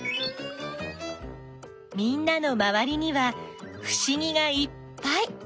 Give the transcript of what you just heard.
みんなのまわりにはふしぎがいっぱい！